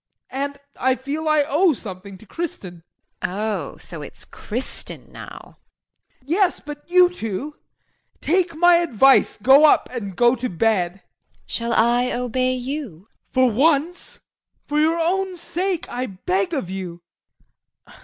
And I feel I owe something to Kristin. JULIE. Oh, so it's Kristin now JEAN. Yes, but you too. Take my advice, go up and go to bed. JULIE. Shall I obey you? JEAN. For once for your own sake. I beg of you.